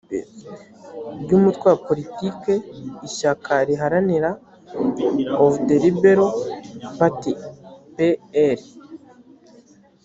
ry umutwe wa politique ishyaka riharanira of the liberal party p l